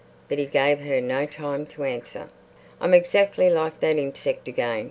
But he gave her no time to answer. "I'm exactly like that insect again.